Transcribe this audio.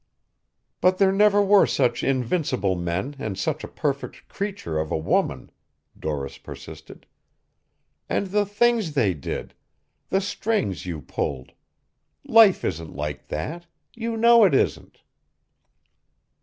"But there never were such invincible men and such a perfect creature of a woman," Doris persisted. "And the things they did the strings you pulled. Life isn't like that. You know it isn't."